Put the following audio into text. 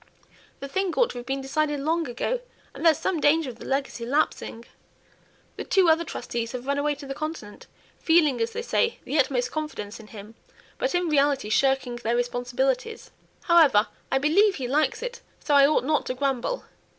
The thing ought to have been decided long ago, and there's some danger of the legacy lapsing. The two other trustees have run away to the Continent, feeling, as they say, the utmost confidence in him, but in reality shirking their responsibilities. However, I believe he likes it, so I ought not to grumble.